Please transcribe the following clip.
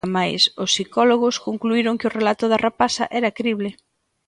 Amais, os psicólogos concluíron que o relato da rapaza era crible.